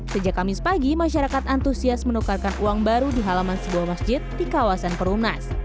sejak kamis pagi masyarakat antusias menukarkan uang baru di halaman sebuah masjid di kawasan perumnas